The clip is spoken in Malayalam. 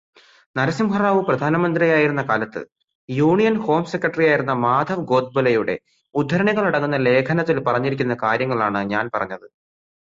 നരസിംഹറാവു പ്രധാനമന്ത്രിയായിരുന്ന കാലത്ത് യൂണിയൻ ഹോം സെക്രട്ടറിയായിരുന്ന മാധവ് ഗോദ്ബോലെയുടെ ഉദ്ധരണികളടങ്ങുന്ന ലേഖനത്തിൽ പറഞ്ഞിരിക്കുന്ന കാര്യങ്ങളാണ് ഞാൻ പറഞ്ഞത്.